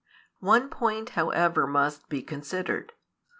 One point however must be considered.